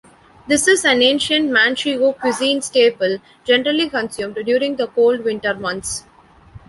This is an ancient Manchego cuisine staple, generally consumed during the cold winter months.